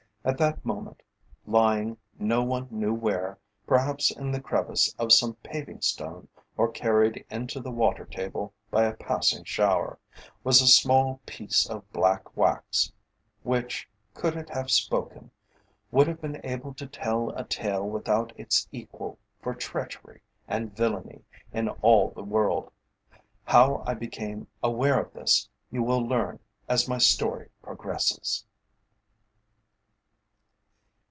At that moment, lying, no one knew where perhaps in the crevice of some paving stone, or carried into the water table by a passing shower was a small piece of black wax, which, could it have spoken, would have been able to tell a tale without its equal for treachery and villainy in all the world. How I became aware of this, you will learn as my story progresses.